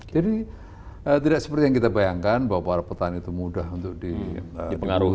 jadi tidak seperti yang kita bayangkan bahwa para petani itu mudah untuk dipengaruhi